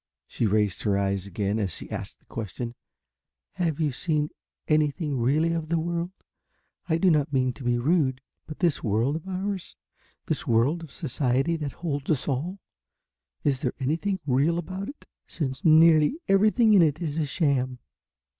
she raised her eyes again as she asked the question. "Have you seen anything really of the world? I do not mean to be rude, but this world of ours, this world of society that holds us all, is there anything real about it, since nearly everything in it is a sham?